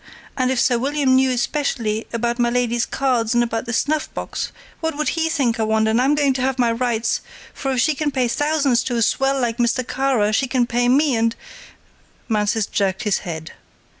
And if Sir William knew especially about my lady's cards and about the snuffbox, what would he think, I wonder, and I'm going to have my rights, for if she can pay thousands to a swell like Mr. Kara she can pay me and " Mansus jerked his head.